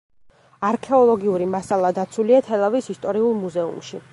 არქეოლოგიური მასალა დაცულია თელავის ისტორიულ მუზეუმში.